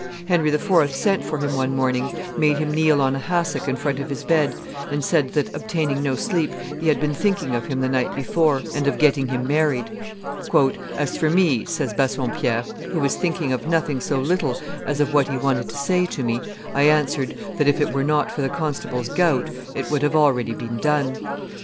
Henry IV. sent for him one morning, made him kneel on a hassock in front of his bed, and said that, obtaining no sleep, he had been thinking of him the night before, and of getting him married. "As for me," says Bassompierre, "who was thinking of nothing so little as of what he wanted to say to me, I answered that, if it were not for the constable's gout, it would have already been done.